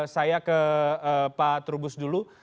saya ke pak trubus dulu